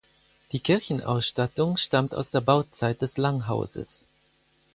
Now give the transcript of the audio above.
Die Kirchenausstattung stammt aus der Bauzeit des Langhauses.